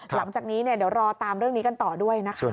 หลังจากนี้เดี๋ยวรอตามเรื่องนี้กันต่อด้วยนะคะ